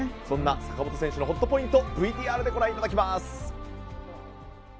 そんな坂本選手のＨｏｔＰｏｉｎｔをＶＴＲでご覧いただきます。